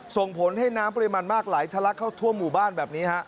ส่งผลให้น้ำปริมาณมากไหลทะลักเข้าทั่วหมู่บ้านแบบนี้ฮะ